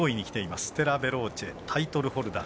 ステラヴェローチェタイトルホルダー。